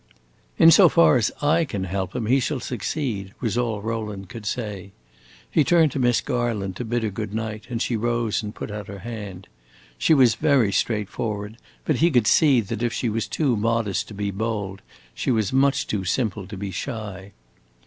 "In so far as I can help him, he shall succeed," was all Rowland could say. He turned to Miss Garland, to bid her good night, and she rose and put out her hand. She was very straightforward, but he could see that if she was too modest to be bold, she was much too simple to be shy.